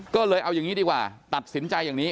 ก็เลยเอาอย่างนี้ดีกว่าตัดสินใจอย่างนี้